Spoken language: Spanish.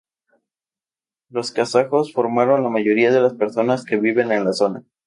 Los kazajos conforman la mayoría de las personas que viven en la zona.